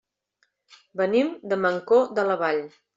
Venim de Mancor de la Vall.